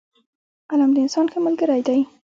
قلم د انسان ښه ملګری دی